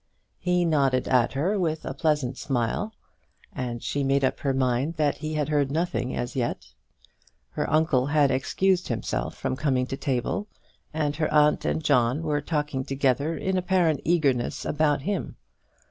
He nodded at her with a pleasant smile, and she made up her mind that he had heard nothing as yet. Her uncle had excused himself from coming to table, and her aunt and John were talking together in apparent eagerness about him.